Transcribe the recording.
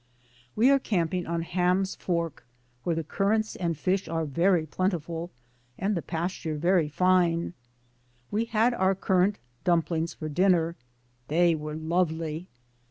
We are camping on Ham's Fork, where the currants and fish are very plentiful, and the pasture very fine. We had our currant dumplings for dinner. They were lovely.